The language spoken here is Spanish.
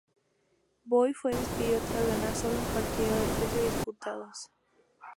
Boy fue despedido tras ganar sólo un partido de trece disputados.